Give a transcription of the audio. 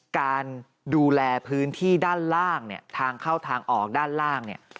การดูแลพื้นที่ด้านล่างทางเข้าทางออกด้านล่าง